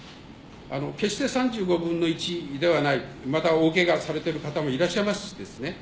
決して３５分の１ではない。まだ大ケガされてる方もいらっしゃいますしね。